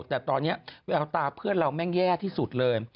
แต่ตอนนี้แววตาเพื่อนเราแม่งแย่ที่สุดเลย